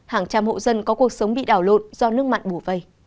hàng trăm hộ dân có cuộc sống bị đảo lộn do nước mặn bù vây